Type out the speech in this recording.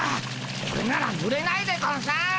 これならぬれないでゴンス。